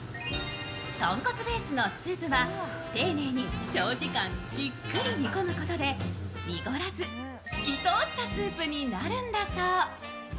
豚骨ベースのスープは丁寧に長時間じっくり煮込むことで、濁らず透き通ったスープになるんだそう。